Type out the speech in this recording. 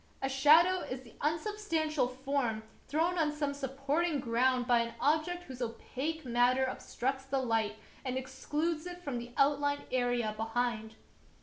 A shadow is the unsubstantial form thrown on some supporting ground by an object whose opaque matter ob structs the light and excludes it from the outlined area behind.